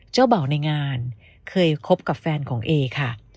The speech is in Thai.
เจ้าบ่าวในงานเคยคบกับแฟนของเอค่ะ